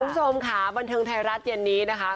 คุณผู้ชมค่ะบันเทิงไทยรัฐเย็นนี้นะคะ